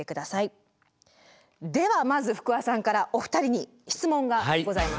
ではまず福和さんからお二人に質問がございます。